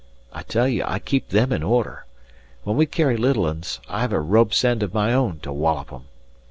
I tell you, I keep them in order. When we carry little uns, I have a rope's end of my own to wollop'em."